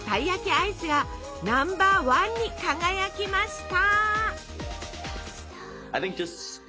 アイスがナンバーワンに輝きました！